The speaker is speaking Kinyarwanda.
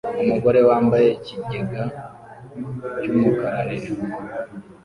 Umugore wambaye ikigega cy'umukara hejuru